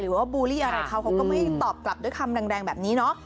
บูลลี่อะไรเขาเขาก็ไม่ตอบกลับด้วยคำแรงแบบนี้เนาะ